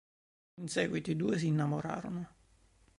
In seguito i due si innamorarono.